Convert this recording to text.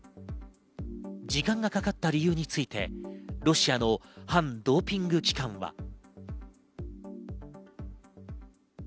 時間がかかった理由についてロシアの反ドーピング機関は。